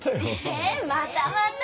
えまたまた！